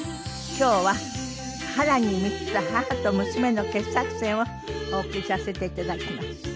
今日は波乱に満ちた母と娘の傑作選をお送りさせて頂きます。